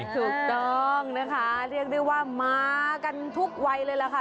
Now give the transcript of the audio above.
ถูกต้องนะคะเรียกได้ว่ามากันทุกวัยเลยล่ะค่ะ